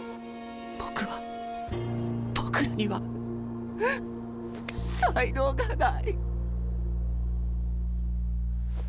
僕は僕らには才能がない。